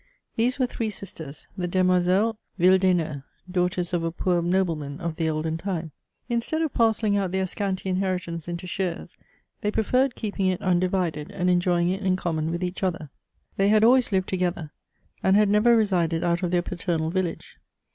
These were three sisters, the Demoiselles Yild^neuxy daughters of a poor nobleman of the olden time. Instead of parcelling out their scanty inheritance into shares^ they preferred keeping it undivided, and enjoying it in common with each other. They had always Uved together, and had never resided out of their paternal village.